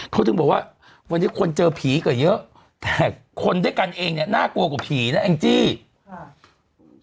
เขาถึงบอกว่าวันนี้คนเจอผีก็เยอะแต่คนด้วยกันเองเนี่ยน่ากลัวกว่าผีนะแองจี้ค่ะ